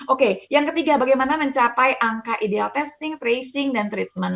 oke yang ketiga bagaimana mencapai angka ideal testing tracing dan treatment